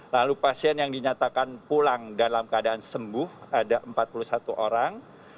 lalu pasien yang dinyatakan pulang dalam keadaan sembuh ada empat puluh satu orang